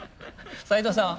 斎藤さん。